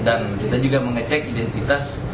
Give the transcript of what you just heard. dan kita juga mengecek identitas